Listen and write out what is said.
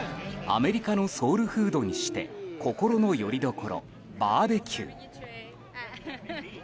アメリカのソウルフードにして心のよりどころ、バーベキュー。